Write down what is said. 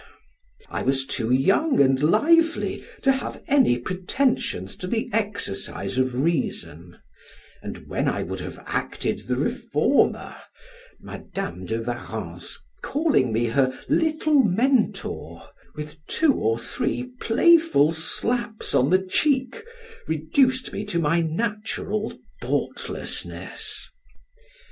I was too young and lively to have any pretensions to the exercise of reason, and when I would have acted the reformer, Madam de Warrens calling me her little Mentor, with two or three playful slaps on the cheek, reduced me to my natural thoughtlessness.